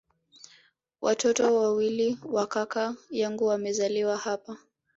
Watoto wawili wa kaka yangu wamezaliwa hapa